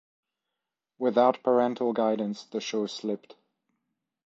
Without parental guidance the show slipped.